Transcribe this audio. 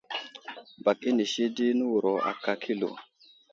Bak inisi di newuro aka kilo.